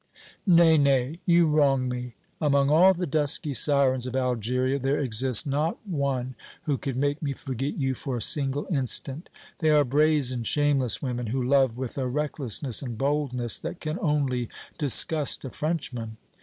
"Nay, nay, you wrong me; among all the dusky sirens of Algeria there exists not one who could make me forget you for a single instant; they are brazen, shameless women, who love with a recklessness and boldness that can only disgust a Frenchman."